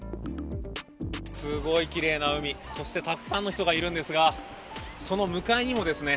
すごい奇麗な海そしてたくさんの人がいるんですがその向かいにもですね